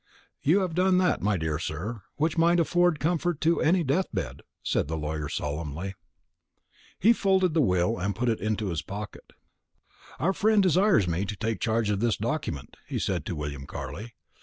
"You have done that, my dear sir, which might afford comfort to any death bed," said the lawyer solemnly. He folded the will, and put it into his pocket. "Our friend desires me to take charge of this document," he said to William Carley.